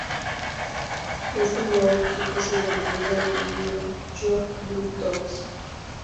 Este nuevo equipo se llamaría la New York Bulldogs.